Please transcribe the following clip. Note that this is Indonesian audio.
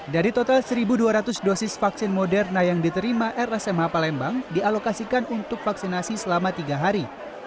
dari total satu dua ratus dosis vaksin moderna yang diterima rsmh palembang dialokasikan untuk vaksinasi selama tiga hari